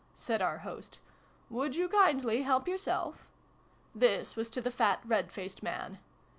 said our host. "Would you kindly help yourself?" (This was to the fat red faced man.)